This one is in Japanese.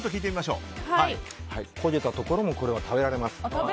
焦げたところも食べられます。